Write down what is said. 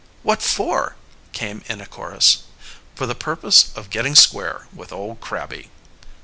"What for?" came in a chorus. "For the purpose of getting square with old Crabby."